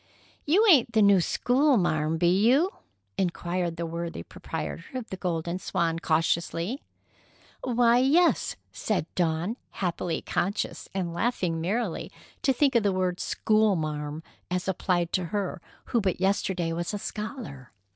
"You ain't the new schoolmarm, be you?" inquired the worthy proprietor of the Golden Swan cautiously. "Why, yes," said Dawn, happily conscious, and laughing merrily to think of the word "schoolmarm" as applied to her who but yesterday was a scholar.